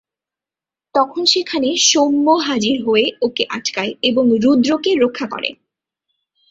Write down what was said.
তখন সেখানে "সৌম্য" হাজির হয়ে ওকে আটকায় এবং "রুদ্র"কে রক্ষা করে।